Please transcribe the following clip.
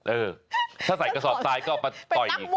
เออถ้าใส่กระสอบซ้ายก็ไปปล่อย